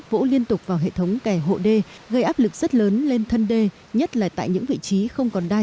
vỗ liên tục vào hệ thống kẻ hộ đê gây áp lực rất lớn lên thân đê nhất là tại những vị trí không còn đai